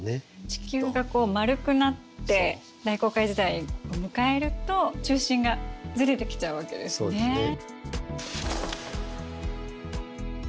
地球がこう丸くなって大航海時代を迎えると中心がずれてきちゃうわけですね。